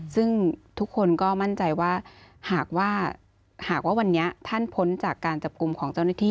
ซึ่งทุกคนก็มั่นใจว่าหากว่าหากว่าวันนี้ท่านพ้นจากการจับกลุ่มของเจ้าหน้าที่